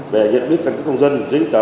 về nhận biết các công dân